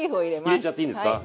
入れちゃっていいんですか？